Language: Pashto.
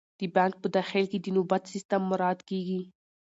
د بانک په داخل کې د نوبت سیستم مراعات کیږي.